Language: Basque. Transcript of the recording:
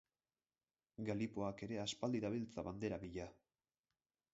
Galipoak ere aspaldi dabiltza bandera bila.